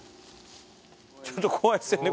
ちょっと怖いですよね